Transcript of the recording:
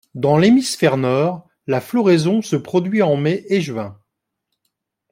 Dans l'hémisphère nord, la floraison se produit en mai et juin.